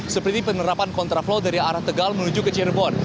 seperti penerapan kontraflow dari arah tegal menuju ke cirebon